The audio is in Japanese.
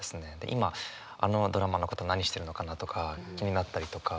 今あのドラマーの方何してるのかなとか気になったりとか。